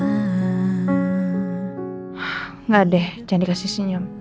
hah enggak deh jangan dikasih senyum